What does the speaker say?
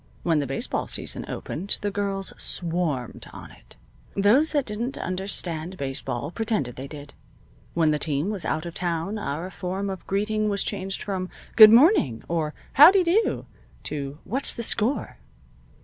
When the baseball season opened the girls swarmed on it. Those that didn't understand baseball pretended they did. When the team was out of town our form of greeting was changed from, "Good morning!" or "Howdy do!" to "What's the score?"